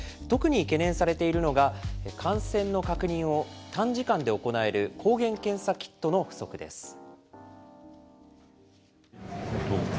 特に懸念されているのが、感染の確認を短時間で行える抗原検査キットの不足です。